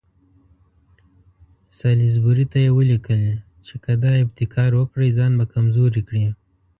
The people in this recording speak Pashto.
سالیزبوري ته یې ولیکل چې که دا ابتکار وکړي ځان به کمزوری کړي.